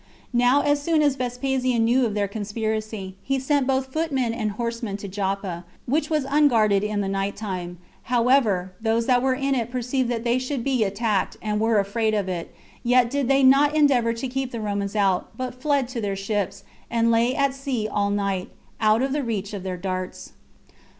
Now as soon as Vespasian knew of their conspiracy, he sent both footmen and horsemen to Joppa, which was unguarded in the night time; however, those that were in it perceived that they should be attacked, and were afraid of it; yet did they not endeavor to keep the Romans out, but fled to their ships, and lay at sea all night, out of the reach of their darts.